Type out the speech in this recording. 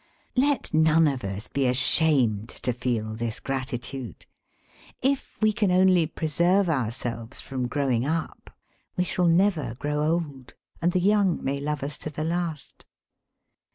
Let none of us be ashamed, to feel this gratitude. If we can. only preserve ourselves from growing up, we shall never grow old, and the young may love us to the last.